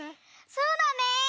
そうだね！